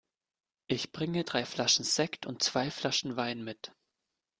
Ich bringe drei Flaschen Sekt und zwei Flaschen Wein mit.